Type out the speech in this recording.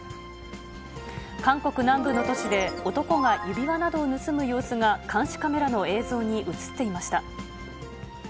韓国南部の都市で、男が指輪などを盗む様子が監視カメラの映像に写っていました。